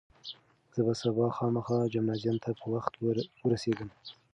زه به سبا خامخا جمنازیوم ته په وخت ورسېږم.